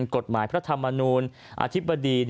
กฎหมายพระธรรมนูลอธิบดี